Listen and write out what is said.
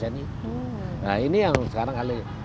nah ini yang sekarang